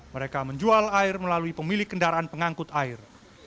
mereka menjual air melalui pemilik kendaraan pengangkut air